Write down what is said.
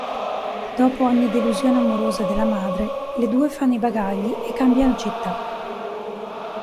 Dopo ogni delusione amorosa della madre, le due fanno i bagagli e cambiano città.